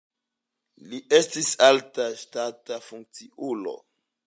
Li estis alta ŝtata funkciulo.